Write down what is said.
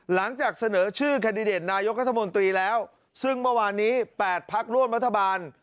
หลังจากเสนอชื่อแคนดิเดตนายกรัฐมนตรีแล้วซึ่งเมื่อวานนี้๘พักร่วมรัฐบาล